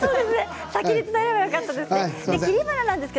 先に伝えればよかったですね。